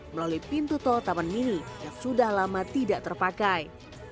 melalui pintu tol taman mini yang sudah lama tidak terpakai